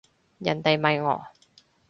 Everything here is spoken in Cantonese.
人哋咪哦